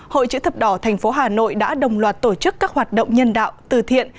hội chữ thập đỏ tp hà nội đã đồng loạt tổ chức các hoạt động nhân đạo từ thiện